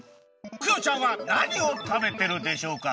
クヨちゃんはなにを食べてるでしょうか？